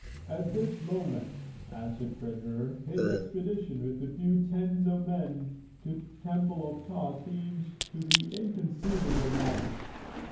"At this moment," answered the treasurer, "his expedition with a few tens of men to the temple of Ptah seems to me inconceivable madness!"